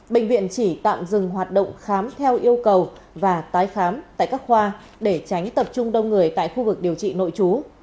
bệnh viện chỉ tạm dừng hoạt động khám theo yêu cầu và tái khám tại các khoa để tránh tập trung đông người tại khu vực điều trị nội chú